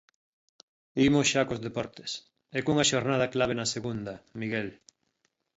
Imos xa cos deportes, e cunha xornada clave na segunda, Miguel.